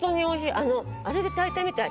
あれで炊いたみたい。